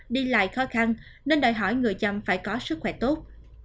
đi lại khó khăn nên đòi hỏi người chăm phải có sức khỏe tốt